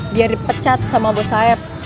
biar dipecat sama bos saeb